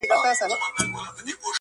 دعوه د سړیتوب دي لا مشروطه بولم ځکه,